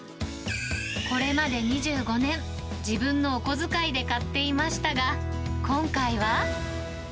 これまで２５年、自分のお小遣いで買っていましたが、今回は。